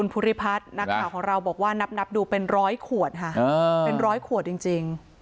เป็นขวดจริง